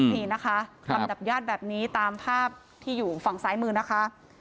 นี่นะคะลำดับญาติแบบนี้ตามภาพที่อยู่ฝั่งซ้ายมือนะคะ